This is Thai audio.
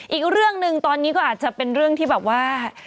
อีกเรื่องหนึ่งตอนนี้ก็อาจจะเป็นเรื่องที่แบบว่า